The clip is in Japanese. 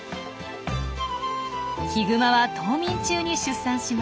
ヒグマは冬眠中に出産します。